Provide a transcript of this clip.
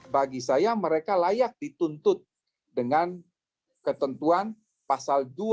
bagi saya mereka layak dituntut dengan ketentuan pasal dua